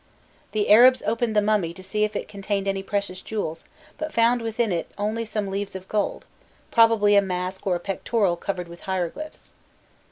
The Arabs opened the mummy to see if it contained any precious jewels, but found within it only some leaves of gold, probably a mask or a pectoral covered with hieroglyphs.